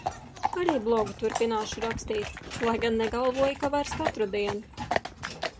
Arī blogu turpināšu rakstīt, lai gan negalvoju, ka vairs katru dienu.